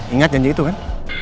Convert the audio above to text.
ingat janji itu kan